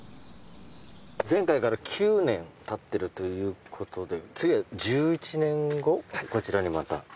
前回から９年たってるということで次は１１年後こちらにまた。